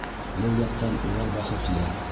Был яҡтан улар бәхетле.